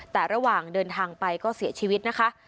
แต่ระหว่างเดินทางไปก็เสียชีวิตนะคะ